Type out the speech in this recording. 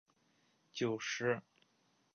死刑判决将依法报请最高人民法院核准。